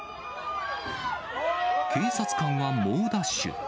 警察官は猛ダッシュ。